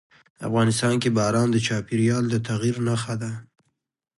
افغانستان کې باران د چاپېریال د تغیر نښه ده.